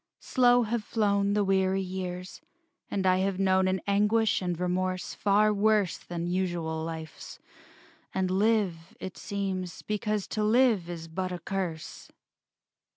Slow have flown The weary years: and I have known An anguish and remorse far worse Than usual life's; and live, it seems, Because to live is but a curse....